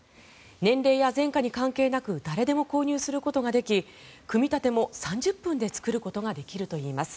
年齢や前科に関係なく誰でも購入することができ組み立ても３０分で作ることができるといいます。